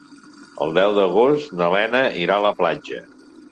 El deu d'agost na Lena irà a la platja.